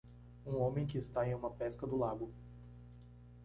Um homem que está em uma pesca do lago.